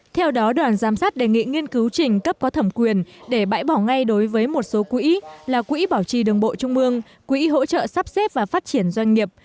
theo đó đoàn giám sát đề nghị nghiên cứu trình cấp có thẩm quyền để bãi bỏ ngay đối với một số quỹ là quỹ bảo trì đường bộ trung mương quỹ hỗ trợ sắp xếp và phát triển doanh nghiệp